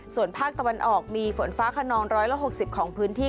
ส่วนภาคตะวันออกมีฝนฟ้าขนอง๑๖๐ของพื้นที่